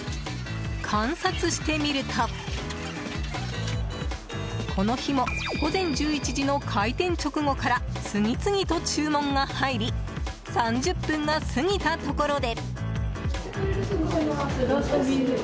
観察してみると、この日も午前１１時の開店直後から次々と注文が入り３０分が過ぎたところで。